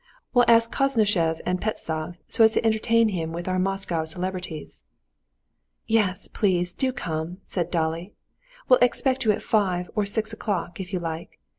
We'll ask Koznishev and Pestsov, so as to entertain him with our Moscow celebrities." "Yes, please, do come," said Dolly; "we will expect you at five, or six o'clock, if you like.